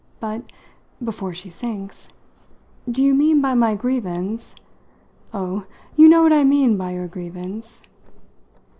But (before she sinks!) do you mean by my grievance " "Oh, you know what I mean by your grievance!"